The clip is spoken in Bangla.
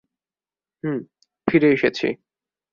হুম, ফিরে এসেছি।